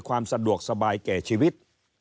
ความสะดวกสบายแก่ชีวิต